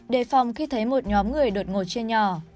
đề phòng khi thấy một nhóm người đột ngột chia nhỏ